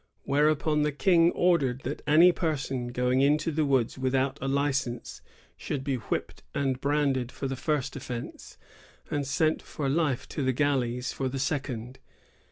Whereupon the King ordered that any person going into the woods without a license should be whipped and branded for the first offence, and sent for life to the galleys for the second.